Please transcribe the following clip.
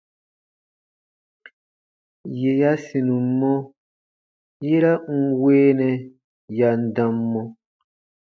Yè ya sinum mɔ, yera n weenɛ ya n dam mɔ.